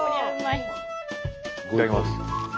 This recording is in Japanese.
いただきます。